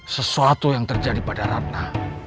sesuatu yang terjadi pada ratna